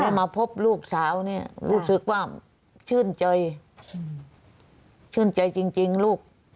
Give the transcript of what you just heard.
มาพบลูกสาวเนี่ยรู้สึกว่าชื่นใจชื่นใจจริงลูก